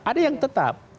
ada yang tetap